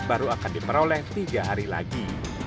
baru akan diperoleh tiga hari lagi